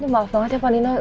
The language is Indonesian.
maaf banget ya panino